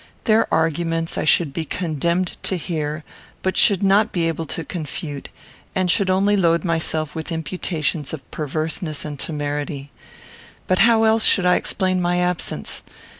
Their arguments I should be condemned to hear, but should not be able to confute; and should only load myself with imputations of perverseness and temerity. But how else should I explain my absence?